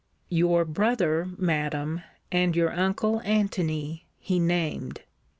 'Your brother, Madam, and your uncle Antony, he named.